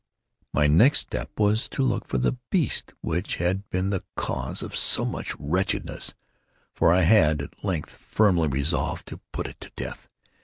My next step was to look for the beast which had been the cause of so much wretchedness; for I had, at length, firmly resolved to put it to death.